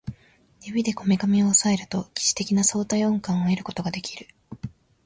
指でこめかみを抑えると疑似的な相対音感を得ることができる